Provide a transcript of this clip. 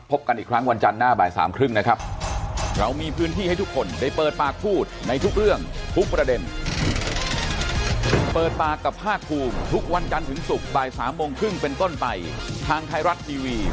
พบกันอีกครั้งวันจันทร์หน้าบ่าย๓๓๐นะครับ